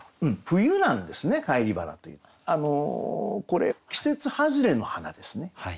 冬なんですね「返り花」というのは。これ季節外れの花ですね。